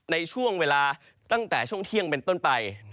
ในช่วงเวลาตั้งแต่ช่วงเที่ยงเป็นต้นไป